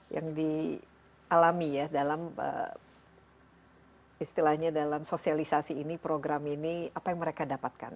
yang dialami ya dalam istilahnya dalam sosialisasi ini program ini apa yang mereka dapatkan